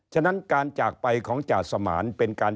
ฉะนั้นการจากไปของจาสมานเป็นการ